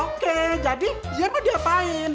oke jadi dia mau diapain